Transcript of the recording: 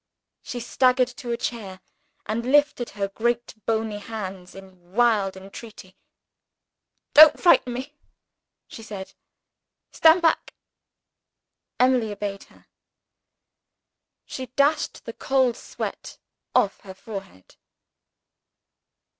She staggered to a chair, and lifted her great bony hands in wild entreaty. "Don't frighten me," she said. "Stand back." Emily obeyed her. She dashed the cold sweat off her forehead.